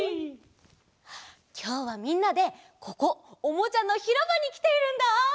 きょうはみんなでここおもちゃのひろばにきているんだ！